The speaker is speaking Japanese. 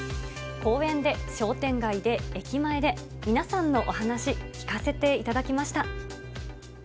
公園で、商店街で、駅前で、皆さんのお話、聞かせていただきました。